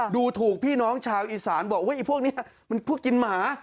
ดูถูกพี่น้องชาวอีสานบอกไอ้พวกนี้มันพวกกินหมา